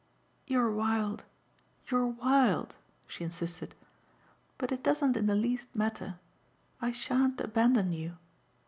"You're wild, you're wild," she insisted. "But it doesn't in the least matter. I shan't abandon you."